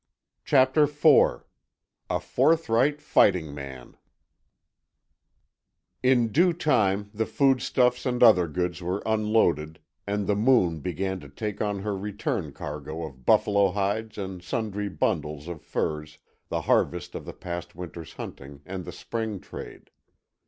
CHAPTER IV—A FORTHRIGHT FIGHTING MAN In due time the foodstuffs and other goods were unloaded, and the Moon began to take on her return cargo of buffalo hides and sundry bundles of furs, the harvest of the past winter's hunting and the spring trade.